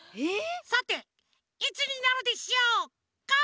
さていつになるでしょうか？